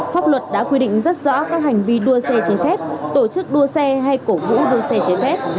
pháp luật đã quy định rất rõ các hành vi đua xe trái phép tổ chức đua xe hay cổ vũ đua xe trái phép